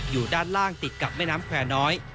อยู่ด้านล่างติดกับแม่น้ำแควร์น้อย